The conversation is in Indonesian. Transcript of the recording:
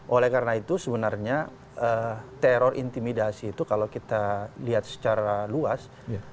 oleh karena itu sebenarnya teror intimidasi itu kalau kita lihat secara luas